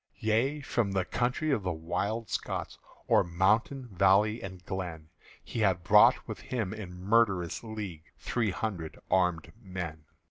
Yea, from the country of the Wild Scots, O'er mountain, valley, and glen, He had brought with him in murderous league Three hundred armèd men.